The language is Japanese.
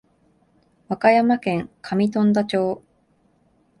和歌山県上富田町